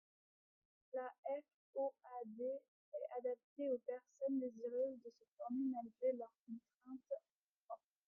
La FOAD est adaptée aux personnes désireuses de se former malgré leurs contraintes propres.